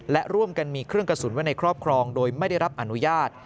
และร่วมกันมีเครื่องกระสุนไว้ในครอบครองโดยไม่ได้รับอนุญาต